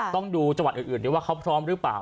ต้องดูจัวร์อื่นว่าเขาพร้อมหรือเปล่า